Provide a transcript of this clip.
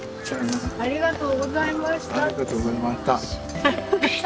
ありがとうございましたって。